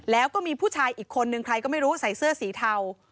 แล้วก็มีผู้ชายอีกคนหนึ่งใส่เสื้อสีเทา